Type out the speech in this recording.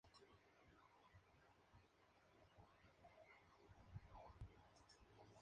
Hay varias apariciones de Louis Armstrong tocando la trompeta.